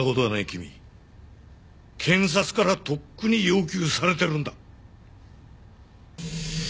君検察からとっくに要求されてるんだ。